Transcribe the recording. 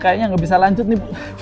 kayaknya gak bisa lanjut nih bu